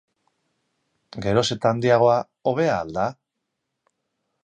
Geroz eta handiagoa, hobea al da?